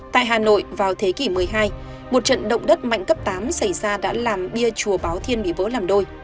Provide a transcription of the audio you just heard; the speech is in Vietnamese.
tại hà nội vào thế kỷ một mươi hai một trận động đất mạnh cấp tám xảy ra đã làm bia chùa báo thiên bị vỡ làm đôi